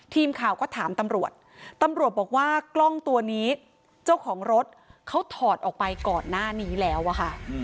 ทีมข่าวก็ถามตำรวจตำรวจบอกว่ากล้องตัวนี้เจ้าของรถเขาถอดออกไปก่อนหน้านี้แล้วอะค่ะ